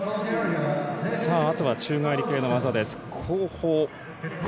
あとは宙返り系の技です。